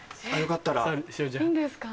いいんですか？